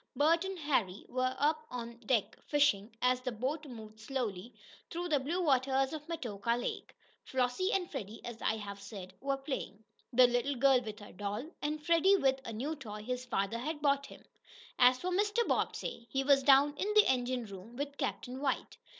Bert and Harry were up on deck fishing, as the boat moved slowly through the blue waters of Metoka Lake. Flossie and Freddie, as I have said, were playing, the little girl with her doll, and Freddie with a new toy his father had bought him. As for Mr. Bobbsey, he was down in the engine room with "Captain White."